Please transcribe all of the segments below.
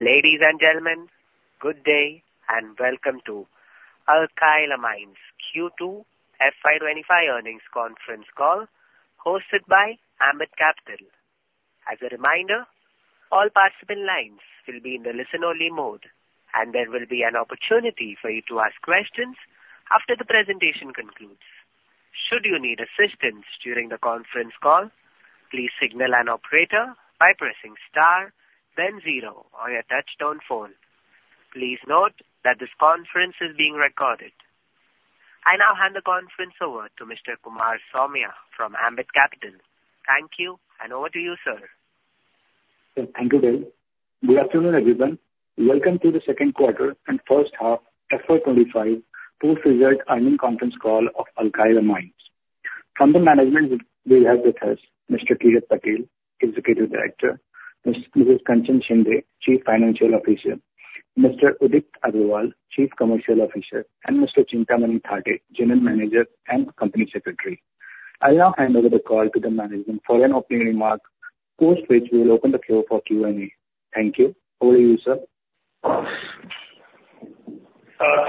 Ladies and gentlemen, good day and welcome to Alkyl Amines Q2 FY25 Earnings Conference Call hosted by Ambit Capital. As a reminder, all participant lines will be in the listen-only mode, and there will be an opportunity for you to ask questions after the presentation concludes. Should you need assistance during the conference call, please signal an operator by pressing star, then zero on your touch-tone phone. Please note that this conference is being recorded. I now hand the conference over to Mr. Kumar Saumya from Ambit Capital. Thank you, and over to you, sir. Thank you, Bill. Good afternoon, everyone. Welcome to the second quarter and first half FY25 post-result earnings conference call of Alkyl Amines. From the management, we have with us Mr. Kirat Patel, Executive Director; Mrs. Kanchan Shinde, Chief Financial Officer; Mr. Udit Agrawal, Chief Commercial Officer; and Mr. Chintamani Thatte, General Manager and Company Secretary. I'll now hand over the call to the management for an opening remark post which we'll open the floor for Q&A. Thank you. Over to you, sir.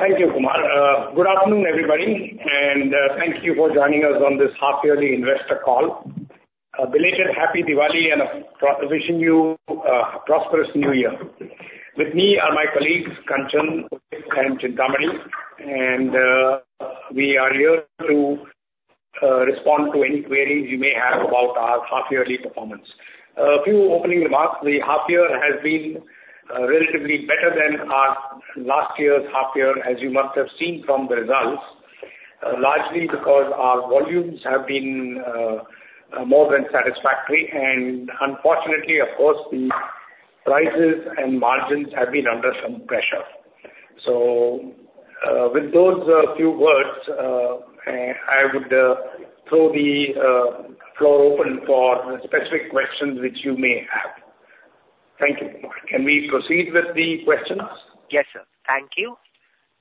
Thank you, Kumar. Good afternoon, everybody, and thank you for joining us on this half-yearly investor call. Belated Happy Diwali and a prosperous New Year. With me are my colleagues, Kanchan, Udit, and Chintamani, and we are here to respond to any queries you may have about our half-yearly performance. A few opening remarks: the half-year has been relatively better than our last year's half-year, as you must have seen from the results, largely because our volumes have been more than satisfactory. And unfortunately, of course, the prices and margins have been under some pressure. So with those few words, I would throw the floor open for specific questions which you may have. Thank you, Kumar. Can we proceed with the questions? Yes, sir. Thank you.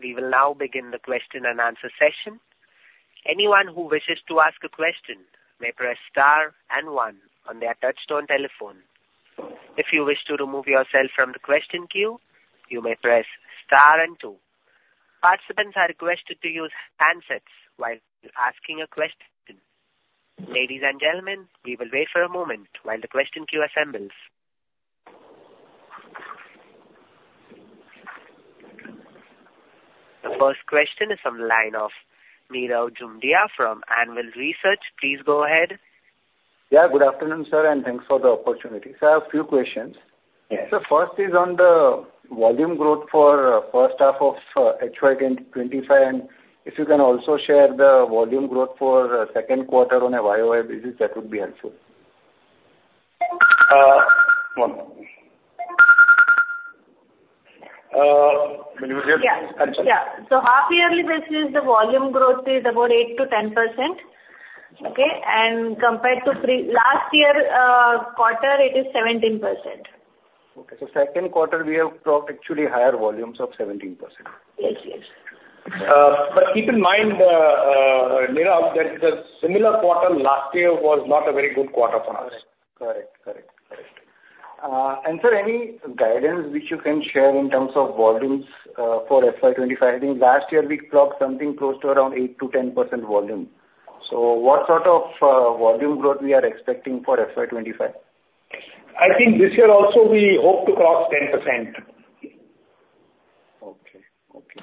We will now begin the question and answer session. Anyone who wishes to ask a question may press star and one on their touch-tone telephone. If you wish to remove yourself from the question queue, you may press star and two. Participants are requested to use handsets while asking a question. Ladies and gentlemen, we will wait for a moment while the question queue assembles. The first question is from the line of Meera Midha from Anvil Research. Please go ahead. Yeah, good afternoon, sir, and thanks for the opportunity. So I have a few questions. The first is on the volume growth for the first half of FY25, and if you can also share the volume growth for the second quarter on a YOY basis, that would be helpful. Yeah. So half-yearly basis, the volume growth is about 8%-10%, okay? And compared to last year's quarter, it is 17%. Okay, so second quarter, we have actually higher volumes of 17%. Yes, yes. But keep in mind, Meera, that the similar quarter last year was not a very good quarter for us. Correct. Sir, any guidance which you can share in terms of volumes for FY25? I think last year we clocked something close to around 8%-10% volume. What sort of volume growth are we expecting for FY25? I think this year also we hope to clock 10%. Okay. Okay.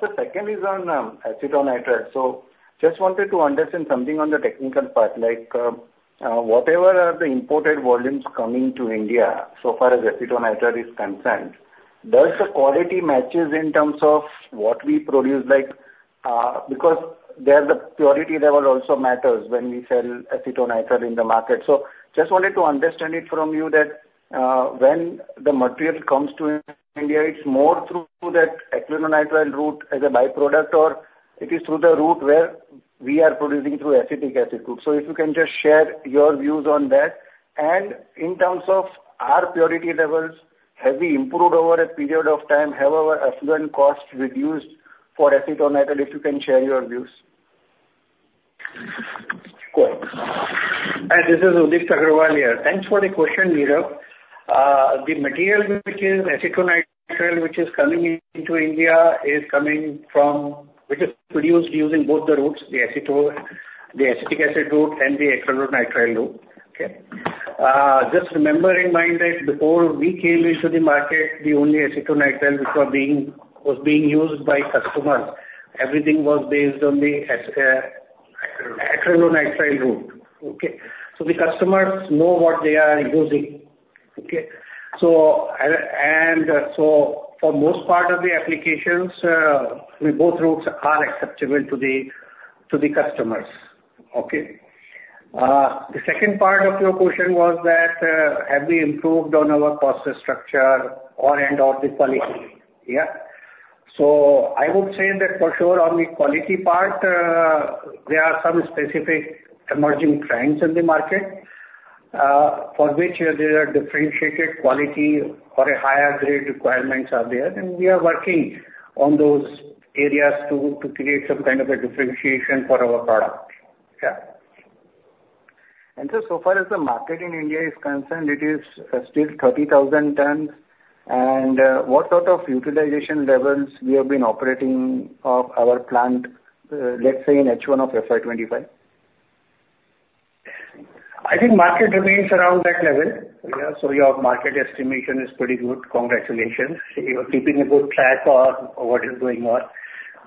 So second is on acetonitrile. So just wanted to understand something on the technical part. Whatever are the imported volumes coming to India so far as acetonitrile is concerned, does the quality match in terms of what we produce? Because the purity level also matters when we sell acetonitrile in the market. So just wanted to understand from you that when the material comes to India, it's more through that acrylonitrile route as a byproduct, or it is through the route where we are producing through acetic acid route? So if you can just share your views on that. And in terms of our purity levels, have we improved over a period of time? Have our effluent costs reduced for acetonitrile? If you can share your views. This is Udit Agrawal here. Thanks for the question, Meera. The material which is acetonitrile which is coming into India is coming from which is produced using both the routes, the acetic acid route and the acetonitrile route. Just remember in mind that before we came into the market, the only acetonitrile which was being used by customers, everything was based on the acetonitrile route. So the customers know what they are using, and so for most part of the applications, both routes are acceptable to the customers. The second part of your question was that have we improved on our process structure or the quality? Yeah. So I would say that for sure on the quality part, there are some specific emerging trends in the market for which there are differentiated quality or higher-grade requirements out there. We are working on those areas to create some kind of a differentiation for our product. And sir, so far as the market in India is concerned, it is still 30,000 tons. And what sort of utilization levels have you been operating our plant, let's say in H1 of FY25? I think market remains around that level. So your market estimation is pretty good. Congratulations. You're keeping a good track of what is going on.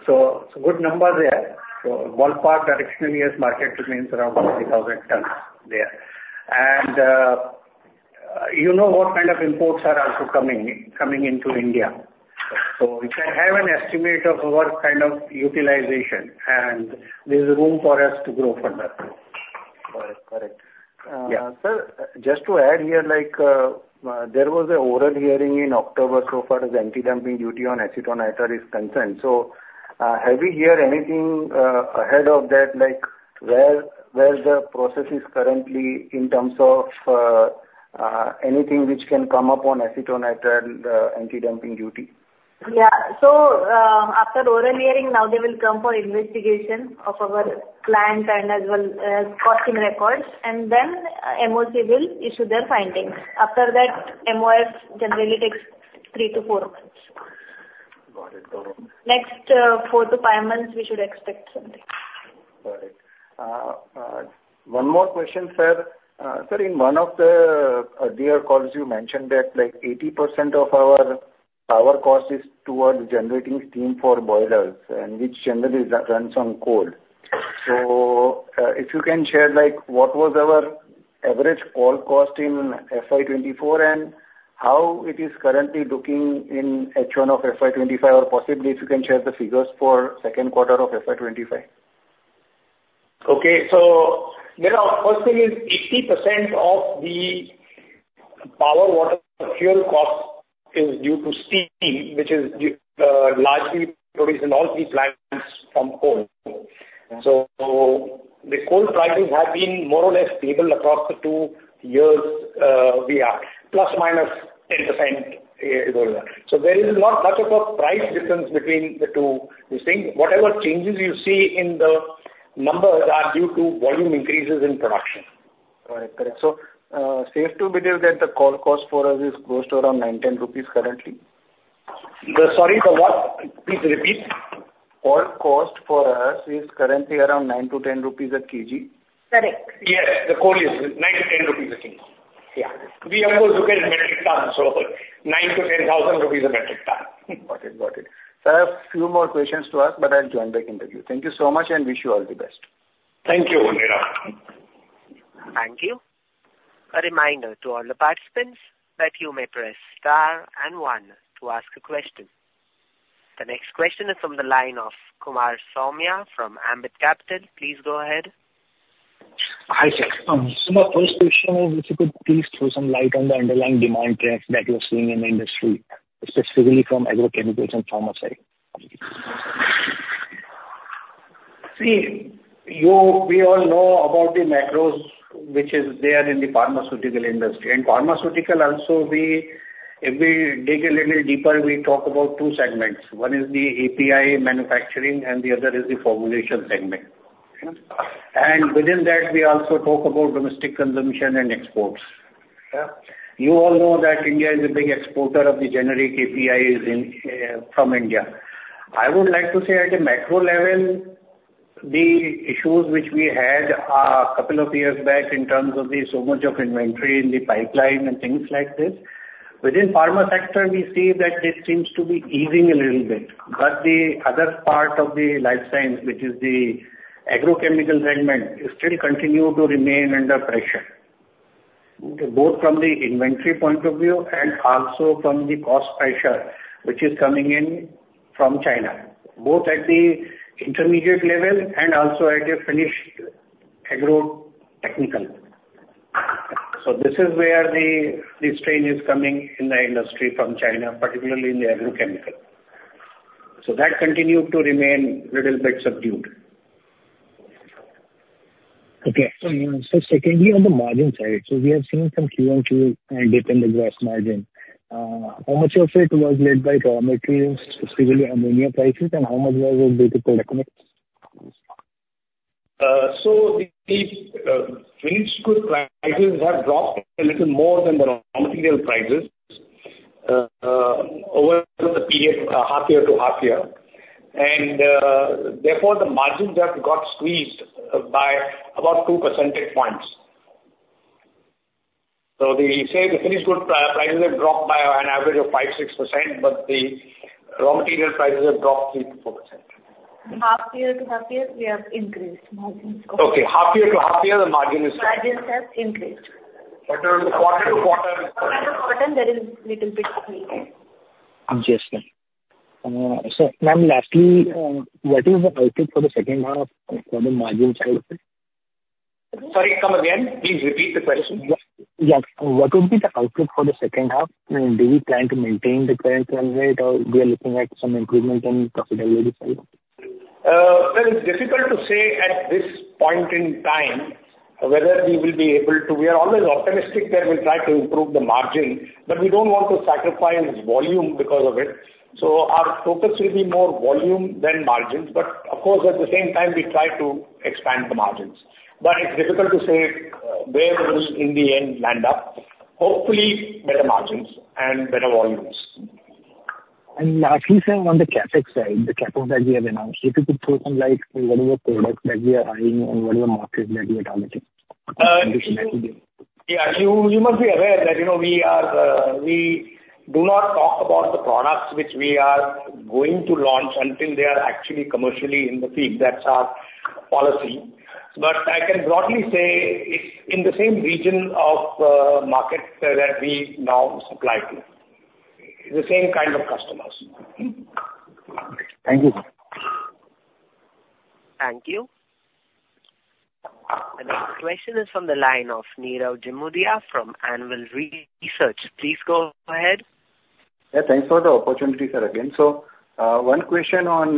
So good numbers there. So ballpark directionally as market remains around 30,000 tons there. And you know what kind of imports are also coming into India. So you can have an estimate of our kind of utilization, and there's room for us to grow further. Correct. Correct. Sir, just to add here, there was an oral hearing in October so far as anti-dumping duty on acetonitrile is concerned. So have we heard anything ahead of that? Where's the process currently in terms of anything which can come up on acetonitrile anti-dumping duty? Yeah. So after oral hearing, now they will come for investigation of our client and as well as cross checking records. And then MOC will issue their findings. After that, MOF generally takes three to four months. Got it. Got it. Next four to five months, we should expect something. Got it. One more question, sir. Sir, in one of the earlier calls, you mentioned that 80% of our power cost is towards generating steam for boilers, which generally runs on coal. So if you can share what was our average coal cost in FY24 and how it is currently looking in H1 of FY25, or possibly if you can share the figures for the second quarter of FY25? Okay. So first thing is 80% of the power water fuel cost is due to steam, which is largely produced in all three plants from coal. So the coal prices have been more or less stable across the two years we have, plus minus 10%. So there is not much of a price difference between the two. Whatever changes you see in the numbers are due to volume increases in production. Correct. Correct. So safe to believe that the coal cost for us is close to around 9-10 rupees currently? Sorry, the what? Please repeat. Coal cost for us is currently around 9-10 rupees a kg. Correct. Yes, the coal is 9-10 rupees a kg. Yeah. We have to look at metric tons, so 9-10,000 rupees a metric ton. Got it. Got it. Sir, a few more questions to ask, but I'll join back in a few. Thank you so much and wish you all the best. Thank you, Meera. Thank you. A reminder to all the participants that you may press star and one to ask a question. The next question is from the line of Kumar Saumya from Ambit Capital. Please go ahead. Hi, sir. So my first question is, if you could please throw some light on the underlying demand trends that we're seeing in the industry, specifically from agrochemicals and pharmaceuticals? See, we all know about the macros which are there in the pharmaceutical industry. And pharmaceutical, also every day a little deeper, we talk about two segments. One is the API manufacturing, and the other is the formulation segment. And within that, we also talk about domestic consumption and exports. You all know that India is a big exporter of the generic APIs from India. I would like to say at a macro level, the issues which we had a couple of years back in terms of the so much of inventory in the pipeline and things like this, within the pharma sector, we see that it seems to be easing a little bit. But the other part of the life science, which is the agrochemical segment, still continues to remain under pressure, both from the inventory point of view and also from the cost pressure which is coming in from China, both at the intermediate level and also at the finished agrochemical. So this is where the strain is coming in the industry from China, particularly in the agrochemical. So that continues to remain a little bit subdued. Okay. So secondly, on the margin side, so we have seen some Q1, Q2 and dip in the gross margin. How much of it was led by raw materials, specifically ammonia prices, and how much was it due to coal? The finished goods prices have dropped a little more than the raw material prices over the half year to half year, and therefore, the margins have got squeezed by about 2 percentage points. They say the finished goods prices have dropped by an average of 5-6%, but the raw material prices have dropped 3-4%. Half year to half year, we have increased margins. Okay. Half year to half year, the margin is dropped. Margins have increased. Quarter to quarter. Quarter to quarter, there is a little bit squeezed. Yes, sir. So ma'am, lastly, what is the outlook for the second half for the margin side? Sorry, come again. Please repeat the question. Yeah. What would be the outlook for the second half? Do we plan to maintain the current trend rate, or we are looking at some improvement in profitability side? It's difficult to say at this point in time whether we will be able to. We are always optimistic that we'll try to improve the margin, but we don't want to sacrifice volume because of it. So our focus will be more volume than margins. But of course, at the same time, we try to expand the margins. But it's difficult to say where we will in the end land up. Hopefully, better margins and better volumes. And lastly, sir, on the CAPEX side, the CAPEX that we have announced, if you could throw some whatever products that we are eyeing and whatever markets that we are targeting? Yeah. You must be aware that we do not talk about the products which we are going to launch until they are actually commercially in the feed. That's our policy. But I can broadly say it's in the same region of market that we now supply to, the same kind of customers. Thank you. Thank you. The next question is from the line of Meera Midha from Anvil Research. Please go ahead. Yeah. Thanks for the opportunity, sir, again. So one question on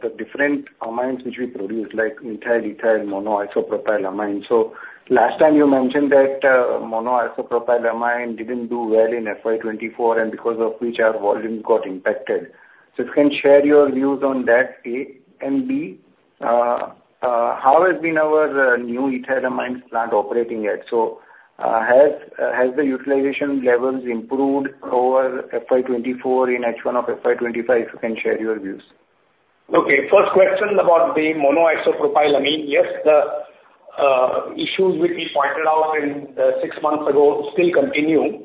the different amines which we produce, like methyl, ethyl, monoisopropylamine. So last time you mentioned that monoisopropylamine didn't do well in FY24, and because of which our volume got impacted. So if you can share your views on that. A and B, how has been our new ethylamine plant operating yet? So has the utilization levels improved over FY24 in H1 of FY25? If you can share your views. Okay. First question about the monoisopropylamine. Yes, the issues which we pointed out six months ago still continue.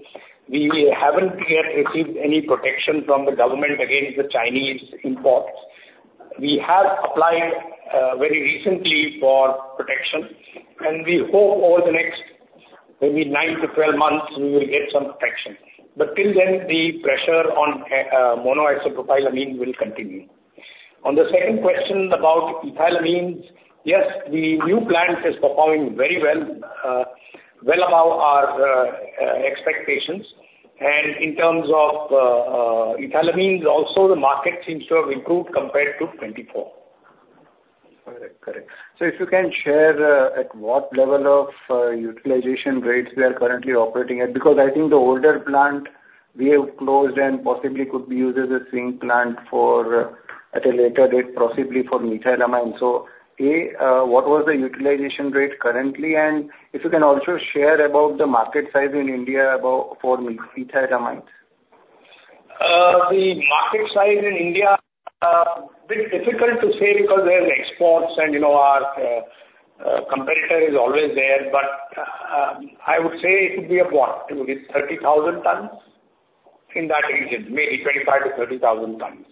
We haven't yet received any protection from the government against the Chinese imports. We have applied very recently for protection, and we hope over the next maybe nine to 12 months, we will get some protection. But till then, the pressure on monoisopropylamine will continue. On the second question about ethylamines, yes, the new plant is performing very well, well above our expectations. And in terms of ethylamines, also the market seems to have improved compared to 2024. Correct. Correct. So if you can share at what level of utilization rates we are currently operating at, because I think the older plant we have closed and possibly could be used as a swing plant at a later date, possibly for methylamine. So A, what was the utilization rate currently? And if you can also share about the market size in India for methylamines. The market size in India, a bit difficult to say because there are exports, and our competitor is always there. But I would say it would be about 30,000 tons in that region, maybe 25,000-30,000 tons.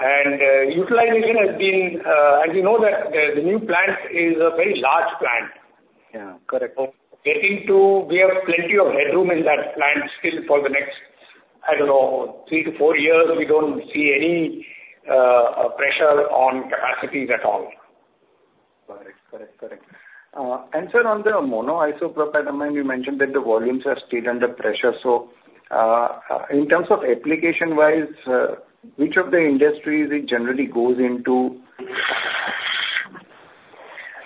And utilization has been, as you know, that the new plant is a very large plant. Yeah. Correct. We have plenty of headroom in that plant still for the next, I don't know, three to four years. We don't see any pressure on capacities at all. Got it. Correct. Correct. And sir, on the monoisopropylamine, you mentioned that the volumes are still under pressure. So in terms of application-wise, which of the industries it generally goes into?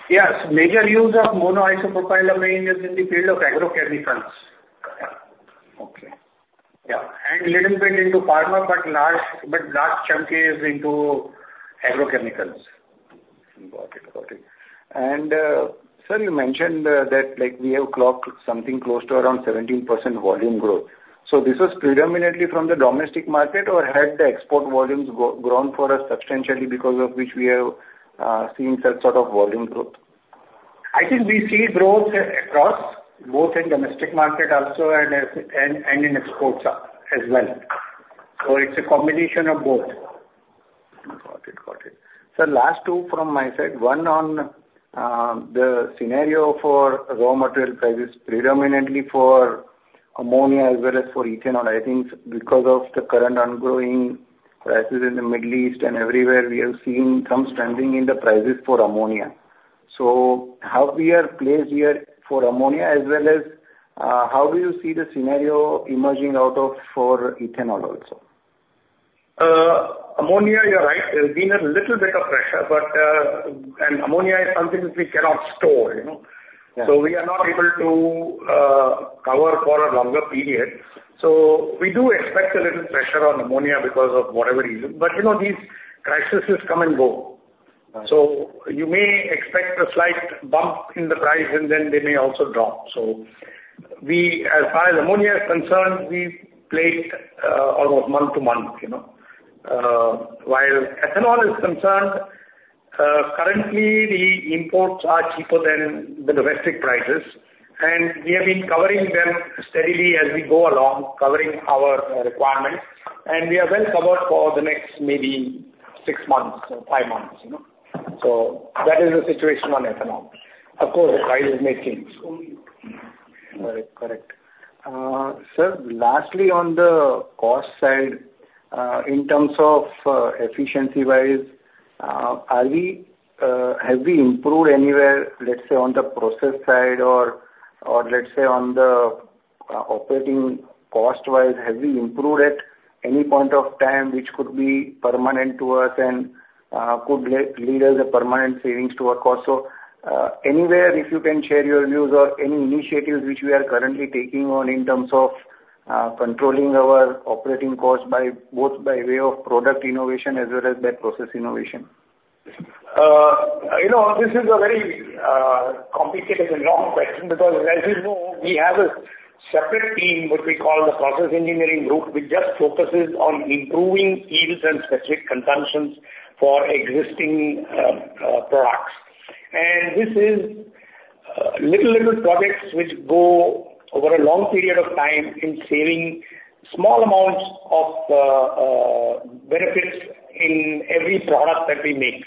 Yes. Major use of monoisopropylamine is in the field of agrochemicals. Okay. Yeah. And a little bit into pharma, but large chunk is into agrochemicals. Got it. Got it. And sir, you mentioned that we have clocked something close to around 17% volume growth. So this was predominantly from the domestic market, or had the export volumes grown for us substantially because of which we have seen such sort of volume growth? I think we see growth across both in domestic market also and in exports as well, so it's a combination of both. Got it. Got it. Sir, last two from my side. One on the scenario for raw material prices, predominantly for ammonia as well as for ethanol. I think because of the current ongoing crisis in the Middle East and everywhere, we have seen some spiking in the prices for ammonia. So how we are placed here for ammonia as well as how do you see the scenario emerging out of for ethanol also? Ammonia, you're right. There's been a little bit of pressure, but ammonia is something which we cannot store. So we are not able to cover for a longer period. So we do expect a little pressure on ammonia because of whatever reason. But these crises just come and go. So you may expect a slight bump in the price, and then they may also drop. So as far as ammonia is concerned, we played almost month to month. While ethanol is concerned, currently, the imports are cheaper than the domestic prices. And we have been covering them steadily as we go along, covering our requirements. And we are well covered for the next maybe six months or five months. So that is the situation on ethanol. Of course, the prices may change. Correct. Correct. Sir, lastly, on the cost side, in terms of efficiency-wise, have we improved anywhere, let's say, on the process side or let's say on the operating cost-wise? Have we improved at any point of time which could be permanent to us and could lead us to permanent savings to our cost? So anywhere, if you can share your views or any initiatives which we are currently taking on in terms of controlling our operating costs both by way of product innovation as well as by process innovation. This is a very complicated and long question because, as you know, we have a separate team, what we call the Process Engineering Group, which just focuses on improving yields and specific consumptions for existing products. And this is little projects which go over a long period of time in saving small amounts of benefits in every product that we make.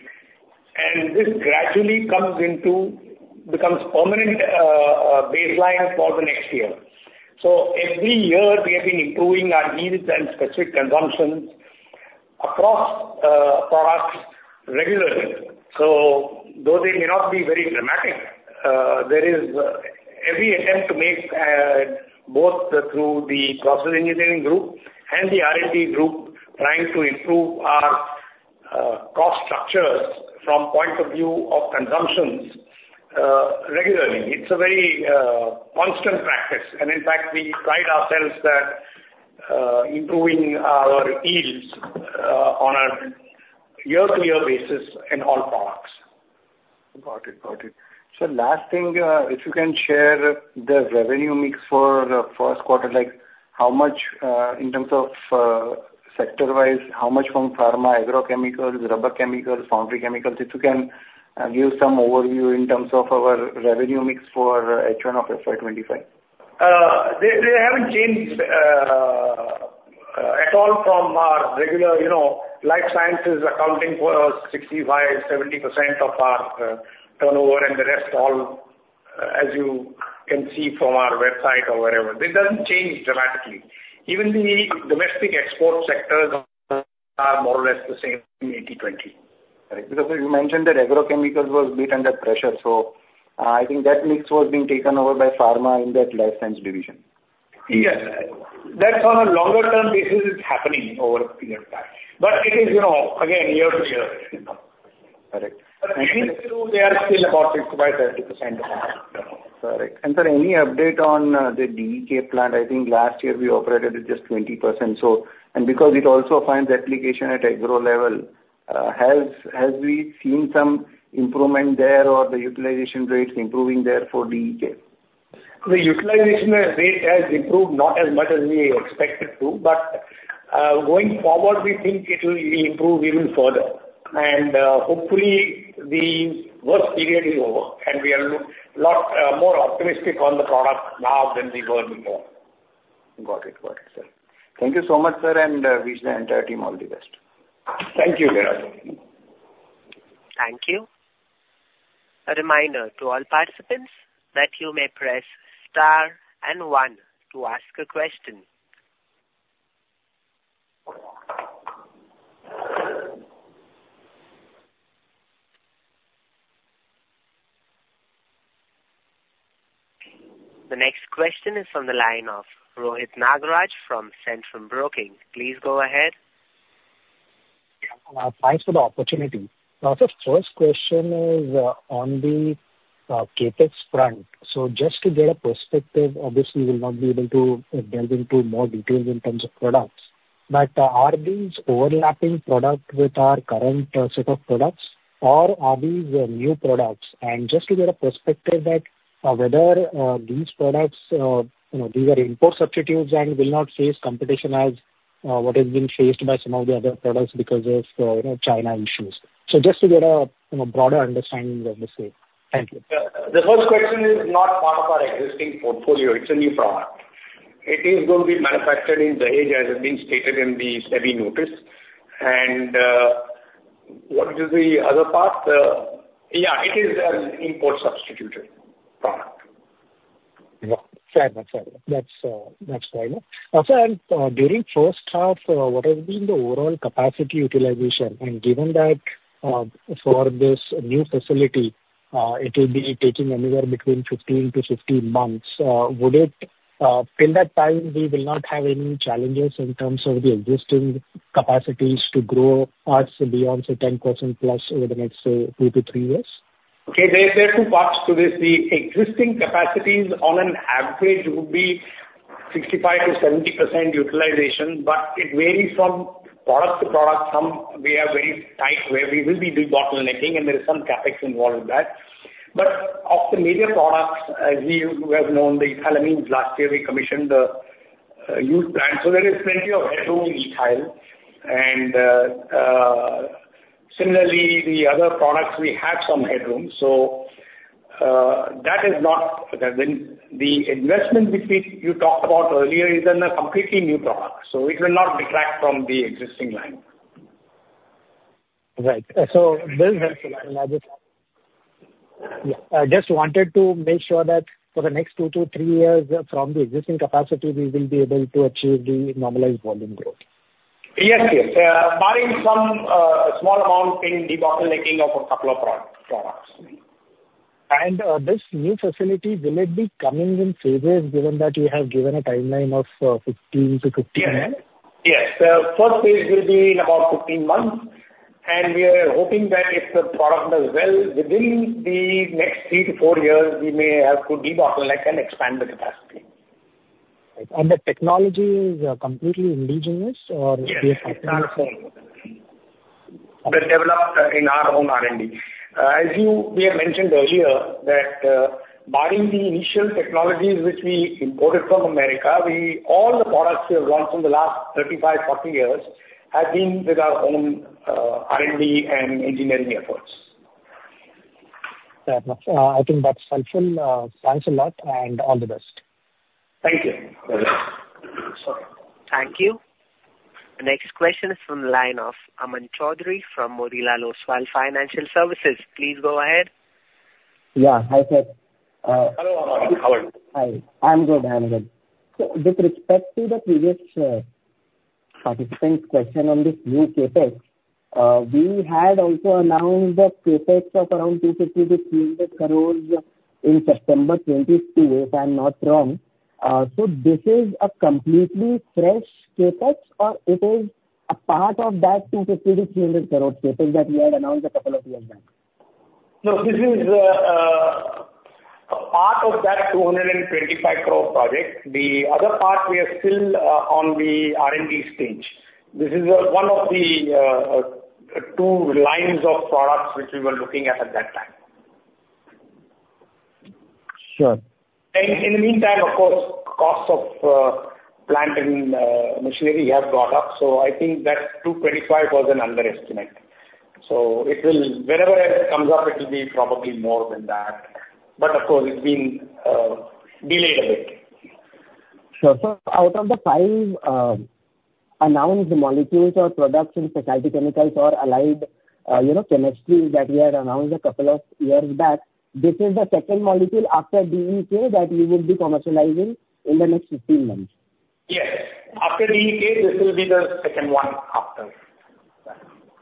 And this gradually becomes permanent baseline for the next year. So every year, we have been improving our yields and specific consumptions across products regularly. So though they may not be very dramatic, there is every attempt to make both through the Process Engineering Group and the R&D group trying to improve our cost structures from the point of view of consumptions regularly. It's a very constant practice. And in fact, we pride ourselves that improving our yields on a year-to-year basis in all products. Got it. Got it. Sir, last thing, if you can share the revenue mix for the first quarter, in terms of sector-wise, how much from pharma, agrochemicals, rubber chemicals, foundry chemicals? If you can give some overview in terms of our revenue mix for H1 of FY25? They haven't changed at all from our regular life sciences accounting for 65%-70% of our turnover, and the rest all, as you can see from our website or wherever. It doesn't change dramatically. Even the domestic export sectors are more or less the same 80/20. Correct. Because you mentioned that agrochemicals was a bit under pressure. So I think that mix was being taken over by pharma in that life science division. Yes. That's on a longer-term basis. It's happening over a period of time. But it is, again, year to year. Correct. But year to year, still about 65%-70%. Correct. And sir, any update on the DEK plant? I think last year we operated at just 20%. And because it also finds application at agro level, have we seen some improvement there or the utilization rates improving there for DEK? The utilization rate has improved not as much as we expected to. But going forward, we think it will improve even further, and hopefully, the worst period is over, and we are a lot more optimistic on the product now than we were before. Got it. Got it, sir. Thank you so much, sir, and wish the entire team all the best. Thank you, Meera. Thank you. A reminder to all participants that you may press star and one to ask a question. The next question is from the line of Rohit Nagraj from Centrum Broking. Please go ahead. Thanks for the opportunity. So the first question is on the CapEx front. So just to get a perspective, obviously, we will not be able to delve into more details in terms of products. But are these overlapping products with our current set of products, or are these new products? And just to get a perspective that whether these products, these are import substitutes and will not face competition as what has been faced by some of the other products because of China issues. So just to get a broader understanding of the same. Thank you. The first question is not part of our existing portfolio. It's a new product. It is going to be manufactured in Dahej, as has been stated in the SEBI notice. And what is the other part? Yeah, it is an import substitute product. Yeah. Fair enough. Fair enough. That's fair. Now, sir, during first half, what has been the overall capacity utilization? And given that for this new facility, it will be taking anywhere between 15 to 16 months, would it, in that time, we will not have any challenges in terms of the existing capacities to grow us beyond, say, 10% plus over the next, say, two to three years? Okay. There are two parts to this. The existing capacities, on an average, would be 65%-70% utilization. But it varies from product to product. Some we have very tight where we will be doing bottlenecking, and there is some CapEx involved in that. But of the major products, as you have known, the ethylamines, last year we commissioned the new plant. So there is plenty of headroom in ethyl. And similarly, the other products, we have some headroom. So that has not the investment which you talked about earlier is a completely new product. So it will not detract from the existing line. Right. So just wanted to make sure that for the next two to three years from the existing capacity, we will be able to achieve the normalized volume growth. Yes, yes. Barring some small amount in debottlenecking of a couple of products. This new facility, will it be coming in phases given that you have given a timeline of 15 to 15 months? Yes. Yes. The first phase will be in about 15 months, and we are hoping that if the product does well within the next three to four years, we may have good debottlenecking and expand the capacity. The technology is completely indigenous or? Yes. It's our own. We developed in our own R&D. As we have mentioned earlier, that barring the initial technologies which we imported from America, all the products we have gone through the last 35-40 years have been with our own R&D and engineering efforts. Fair enough. I think that's helpful. Thanks a lot and all the best. Thank you. Thank you. The next question is from the line of Aman Chowdhary from Motilal Oswal Financial Services. Please go ahead. Yeah. Hi, sir. Hello. Hi. I'm good. I'm good. So with respect to the previous participant's question on this new CapEx, we had also announced a CapEx of around 250-300 crores in September 2022, if I'm not wrong. So this is a completely fresh CapEx, or it is a part of that 250-300 crores CapEx that we had announced a couple of years back? No, this is a part of that 225 crore project. The other part, we are still on the R&D stage. This is one of the two lines of products which we were looking at at that time. Sure. And in the meantime, of course, costs of plant and machinery have gone up. So I think that 225 was an underestimate. So whenever it comes up, it will be probably more than that. But of course, it's been delayed a bit. Sure. So out of the five announced molecules or products in specialty chemicals or allied chemicals that we had announced a couple of years back, this is the second molecule after DEK that you will be commercializing in the next 15 months? Yes. After DEK, this will be the second one after.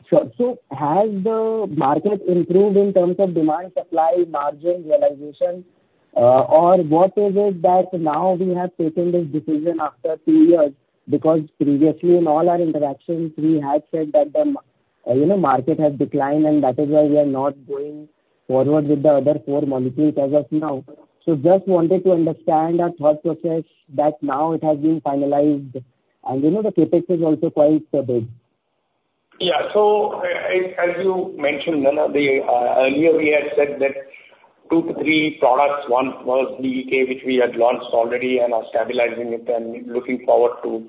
Sure, so has the market improved in terms of demand, supply, margin realization, or what is it that now we have taken this decision after two years? Because previously, in all our interactions, we had said that the market has declined, and that is why we are not going forward with the other four molecules as of now. So, just wanted to understand our thought process that now it has been finalized, and the CapEx is also quite big. Yeah. So as you mentioned, Aman, earlier we had said that two to three products, one was DEK, which we had launched already and are stabilizing it and looking forward to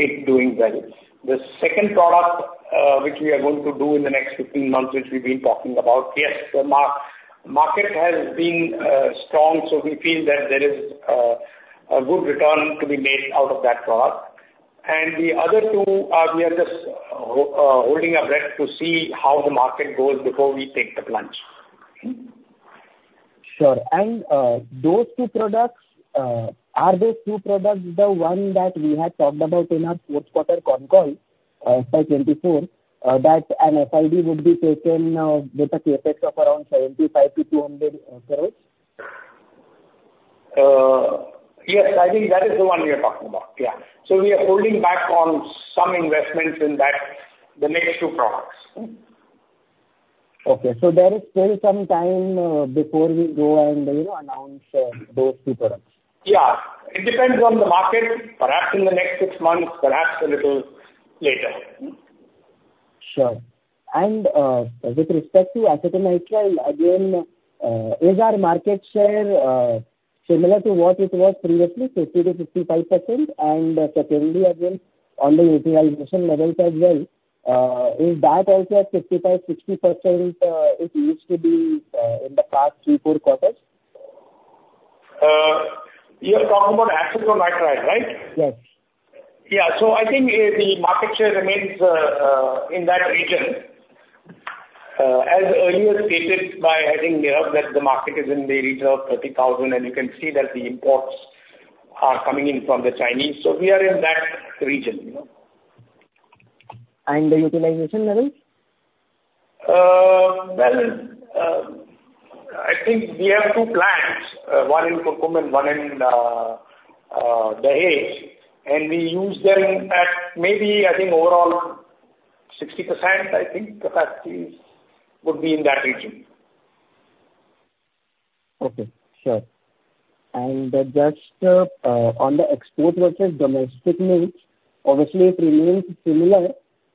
it doing well. The second product which we are going to do in the next 15 months, which we've been talking about, yes, the market has been strong. So we feel that there is a good return to be made out of that product. And the other two, we are just holding our breath to see how the market goes before we take the plunge. Sure. And those two products, are those two products the one that we had talked about in our fourth quarter concall FY24, that an FID would be taken with a CapEx of around 75-200 crores? Yes. I think that is the one we are talking about. Yeah. So we are holding back on some investments in the next two products. Okay, so there is still some time before we go and announce those two products? Yeah. It depends on the market, perhaps in the next six months, perhaps a little later. Sure. And with respect to Acetonitrile, again, is our market share similar to what it was previously, 50%-55%? And secondly, again, on the utilization levels as well, is that also at 55%-60% it used to be in the past three, four quarters? You're talking about acetonitrile, right? Yes. Yeah. So I think the market share remains in that region. As earlier stated by management that the market is in the region of 30,000, and you can see that the imports are coming in from the Chinese. So we are in that region. The utilization levels? I think we have two plants, one in Kurkumbh and one in Dahej. We use them at maybe, I think, overall 60%. I think capacity would be in that region. Okay. Sure. And just on the export versus domestic needs, obviously, it remains similar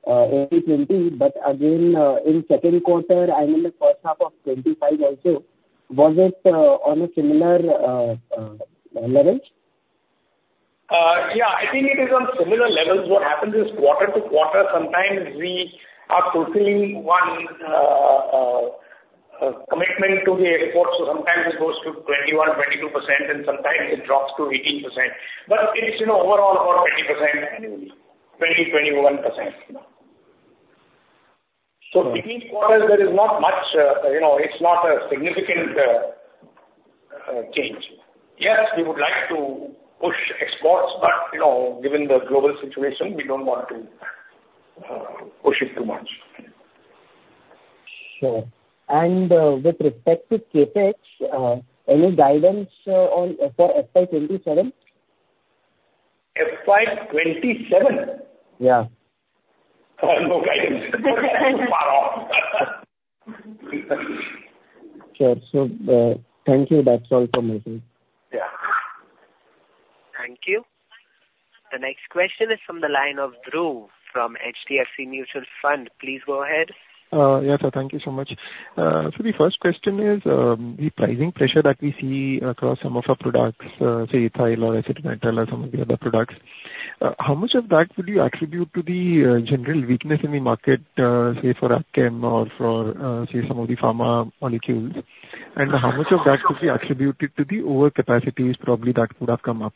80%-20%. But again, in second quarter and in the first half of 2025 also, was it on a similar level? Yeah. I think it is on similar levels. What happens is quarter to quarter, sometimes we are fulfilling one commitment to the export. So sometimes it goes to 21-22%, and sometimes it drops to 18%. But it's overall about 20% annually, 20-21%. So between quarters, there is not much. It's not a significant change. Yes, we would like to push exports, but given the global situation, we don't want to push it too much. Sure. And with respect to CAPEX, any guidance for FY27? FY27? Yeah. No guidance. We're too far off. Sure. So thank you. That's all from my side. Yeah. Thank you. The next question is from the line of Dhruv from HDFC Mutual Fund. Please go ahead. Yes, sir. Thank you so much. So the first question is the pricing pressure that we see across some of our products, say, ethyl or acetonitrile or some of the other products. How much of that would you attribute to the general weakness in the market, say, for AgChem or for, say, some of the pharma molecules? And how much of that could be attributed to the overcapacities probably that would have come up?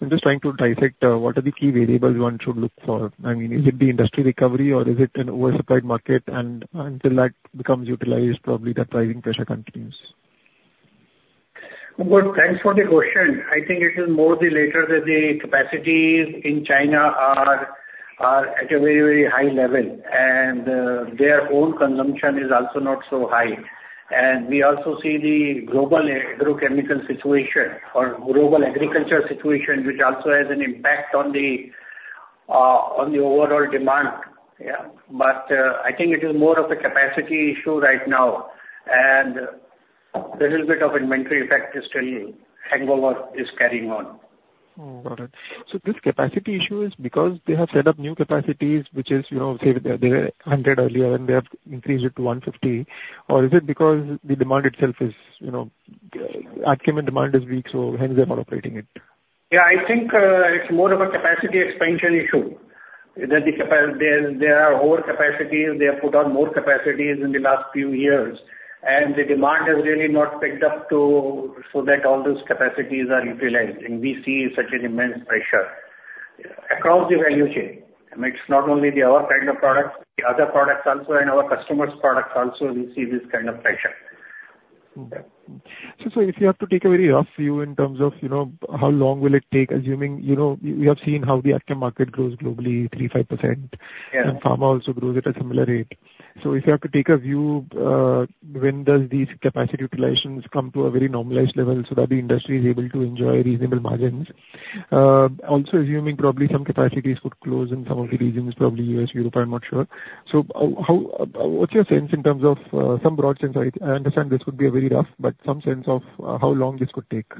I'm just trying to dissect what are the key variables one should look for. I mean, is it the industry recovery, or is it an oversupplied market? And until that becomes utilized, probably that pricing pressure continues. Thanks for the question. I think it is more the latter that the capacities in China are at a very, very high level. Their own consumption is also not so high. We also see the global agrochemical situation or global agriculture situation, which also has an impact on the overall demand. I think it is more of a capacity issue right now. A little bit of inventory effect is still hangover carrying on. Got it. So this capacity issue is because they have set up new capacities, which is, say, they were 100 earlier, and they have increased it to 150. Or is it because the demand itself is amine and demand is weak, so hence they're not operating it? Yeah. I think it's more of a capacity expansion issue. There are overcapacities. They have put on more capacities in the last few years. And the demand has really not picked up so that all those capacities are utilized. And we see such an immense pressure across the value chain. I mean, it's not only our kind of products. The other products also and our customers' products also, we see this kind of pressure. Okay. So if you have to take a very rough view in terms of how long will it take, assuming we have seen how the AgChem market grows globally, 35%, and pharma also grows at a similar rate. So if you have to take a view, when does these capacity utilizations come to a very normalized level so that the industry is able to enjoy reasonable margins? Also assuming probably some capacities could close in some of the regions, probably US, Europe, I'm not sure. So what's your sense in terms of some broad sense? I understand this would be a very rough, but some sense of how long this could take?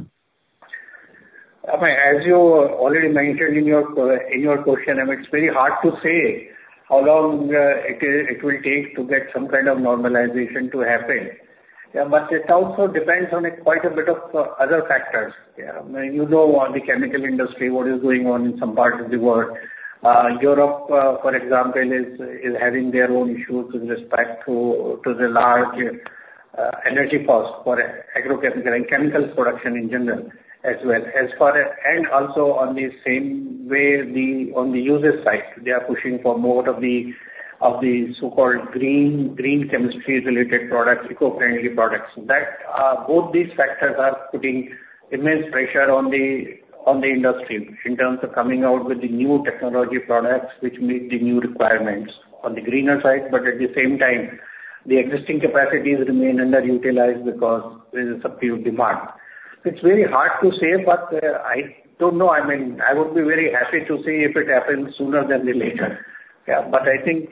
As you already mentioned in your question, it's very hard to say how long it will take to get some kind of normalization to happen. But it also depends on quite a bit of other factors. You know the chemical industry, what is going on in some parts of the world. Europe, for example, is having their own issues with respect to the large energy cost for agrochemical and chemical production in general as well. And also on the same way, on the user side, they are pushing for more of the so-called green chemistry-related products, eco-friendly products. Both these factors are putting immense pressure on the industry in terms of coming out with the new technology products which meet the new requirements on the greener side. But at the same time, the existing capacities remain underutilized because there is a subdued demand. It's very hard to say, but I don't know. I mean, I would be very happy to see if it happens sooner than later. But I think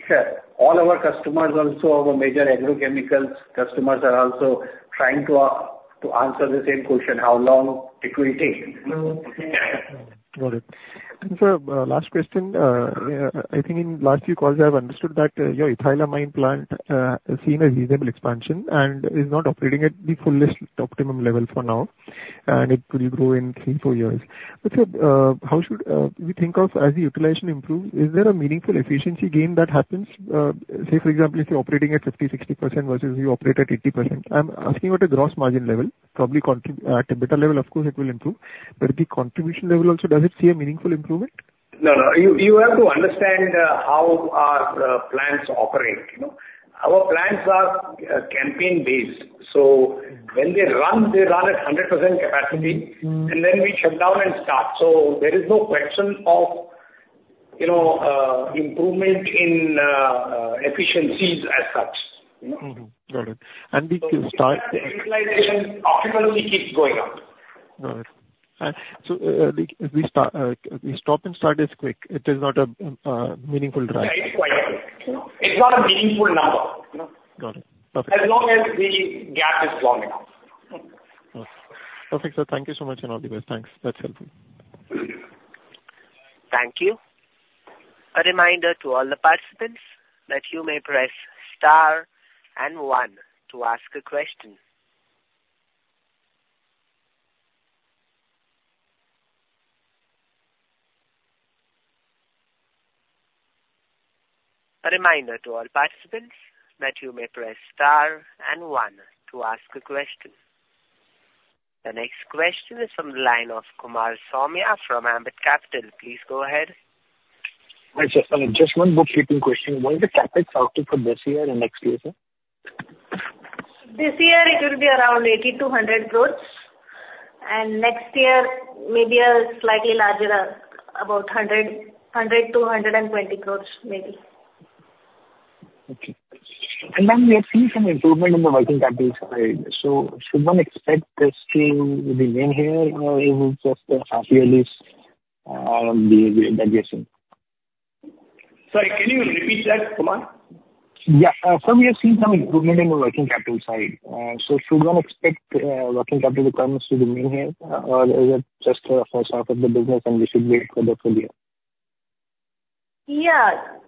all our customers, also our major agrochemicals customers, are also trying to answer the same question, how long it will take. Got it. And sir, last question. I think in the last few calls, I have understood that your ethyl amine plant is seen as reasonable expansion and is not operating at the fullest optimum level for now. And it will grow in three, four years. But sir, how should we think of as the utilization improves? Is there a meaningful efficiency gain that happens? Say for example, if you're operating at 50%-60% versus you operate at 80%. I'm asking at a gross margin level, probably at a better level, of course, it will improve. But at the contribution level also, does it see a meaningful improvement? No, no. You have to understand how our plants operate. Our plants are campaign-based. So when they run, they run at 100% capacity, and then we shut down and start. So there is no question of improvement in efficiencies as such. Got it. And the start. The utilization optimal keeps going up. Got it. So we stop and start is quick. It is not a meaningful drive. Yeah. It's quite quick. It's not a meaningful number. Got it. Perfect. As long as the gap is long enough. Perfect. So thank you so much in all the ways. Thanks. That's helpful. Thank you. A reminder to all the participants that you may press star and one to ask a question. A reminder to all participants that you may press star and one to ask a question. The next question is from the line of Kumar Saumya from Ambit Capital. Please go ahead. Hi, sir. Just one bookkeeping question. What is the CapEx outlook for this year and next year, sir? This year, it will be around 80-100 crores, and next year, maybe a slightly larger, about 100-120 crores maybe. Okay, and then we have seen some improvement in the working capital side, so should one expect this to remain here, or is it just the half-yearly that you're seeing? Sorry, can you repeat that, Kumar? Yeah. So we have seen some improvement in the working capital side. So should one expect working capital requirements to remain here, or is it just the first half of the business, and we should wait for the full year? Yeah.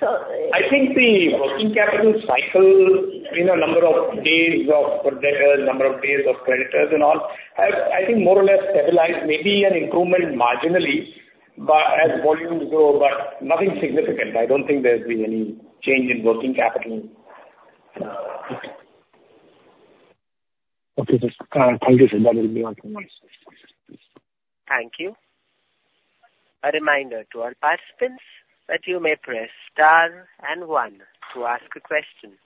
So. I think the working capital cycle, number of days of creditors and all, I think more or less stabilized. Maybe an improvement marginally as volumes grow, but nothing significant. I don't think there's been any change in working capital. Okay. Thank you, sir. That will be all from my side. Thank you. A reminder to all participants that you may press star and one to ask a question.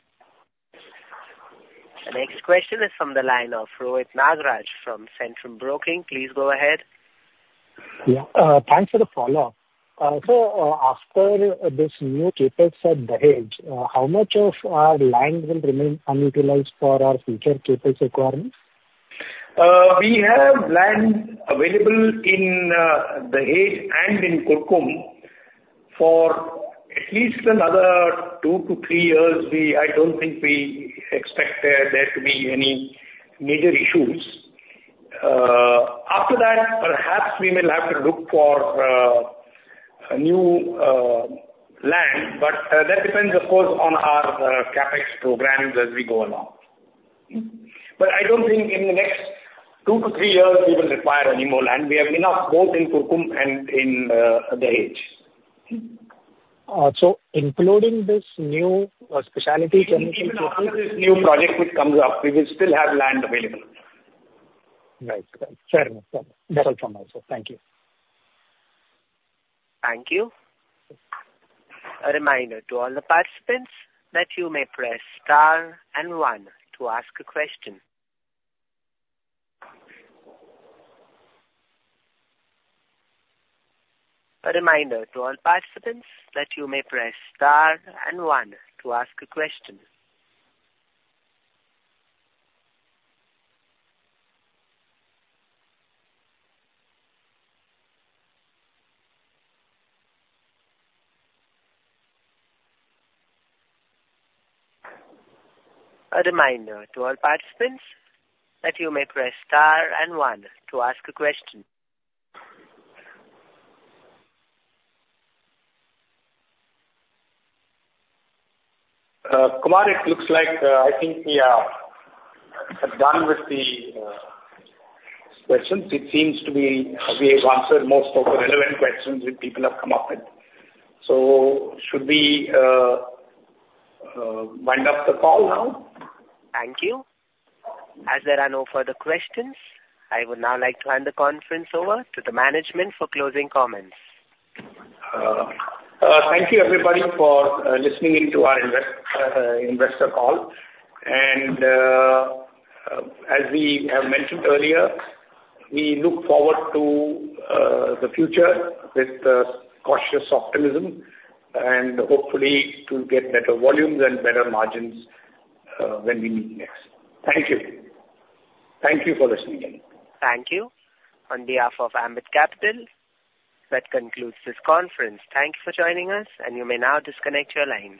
The next question is from the line of Rohit Nagraj from Centrum Broking. Please go ahead. Yeah. Thanks for the follow-up. So after this new CAPEX at Dahej, how much of our land will remain unutilized for our future CAPEX requirements? We have land available in Dahej and in Kurkumbh for at least another two to three years. I don't think we expect there to be any major issues. After that, perhaps we will have to look for new land. But that depends, of course, on our CAPEX programs as we go along. But I don't think in the next two to three years, we will require any more land. We have enough both in Kurkumbh and in Dahej. So including this new specialty chemical. Including this new project which comes up, we will still have land available. Right. Fair enough. That's all from my side. Thank you. Thank you. A reminder to all the participants that you may press star and one to ask a question. Kumar, it looks like I think we are done with the questions. It seems to be we have answered most of the relevant questions that people have come up with. So should we wind up the call now? Thank you. As there are no further questions, I would now like to hand the conference over to the management for closing comments. Thank you, everybody, for listening into our investor call, and as we have mentioned earlier, we look forward to the future with cautious optimism and hopefully to get better volumes and better margins when we meet next. Thank you. Thank you for listening. Thank you. On behalf of Ambit Capital, that concludes this conference. Thank you for joining us, and you may now disconnect your lines.